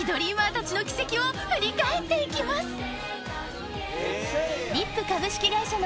［を振り返っていきます］